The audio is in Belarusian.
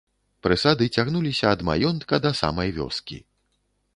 Прысады цягнуліся ад маёнтка да самай вёскі.